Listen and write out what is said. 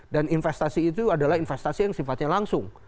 dan investasi itu adalah investasi yang sifatnya langsung